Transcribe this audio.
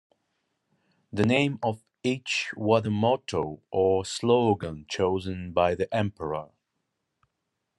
The name of each was a motto or slogan chosen by the emperor.